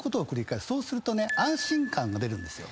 そうするとね安心感が出るんですよ。